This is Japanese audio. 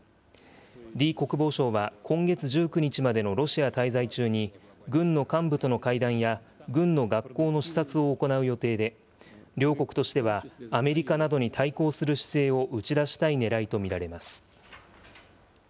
李国防相は、今月１９日までのロシア滞在中に、軍の幹部との会談や、軍の学校の視察を行う予定で、両国としては、アメリカなどに対抗する姿勢を打ち出したいねらいと見られます。